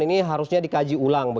ini harusnya dikaji ulang